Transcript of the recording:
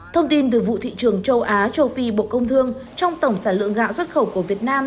thông tin từ vụ thị trường châu á châu phi bộ công thương trong tổng sản lượng gạo xuất khẩu của việt nam